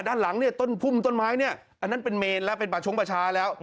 ด้านหลังเนี่ยต้นพุ่มต้นไม้เนี่ยอันนั้นเป็นเมนแล้วเป็นป่าชงประชาแล้ว